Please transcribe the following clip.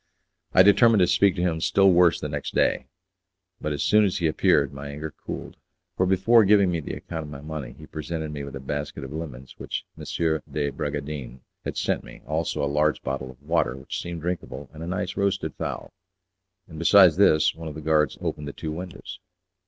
I determined to speak to him still worse the next day; but as soon as he appeared my anger cooled, for before giving me the account of my money he presented me with a basket of lemons which M. de Bragadin had sent me, also a large bottle of water, which seemed drinkable, and a nice roasted fowl; and, besides this, one of the guards opened the two windows.